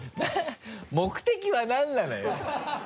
目的はなんなのよ？